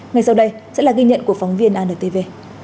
ngay sau đây sẽ là ghi nhận của phóng viên antv